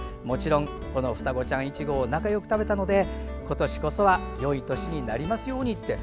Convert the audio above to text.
もちろん、双子ちゃんいちごを仲よく食べたので今年こそはよい年になりますように。